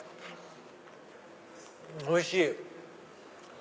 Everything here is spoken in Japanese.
おいしい！